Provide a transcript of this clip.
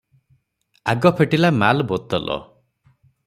ଆଗ ଫିଟିଲା ମାଲ ବୋତଲ।